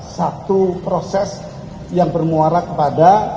satu proses yang bermuara kepada